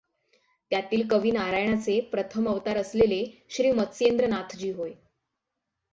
त्यातील कवी नारायणाचे प्रथम अवतार असलेले श्री मत्स्येंद्रनाथ जी होय.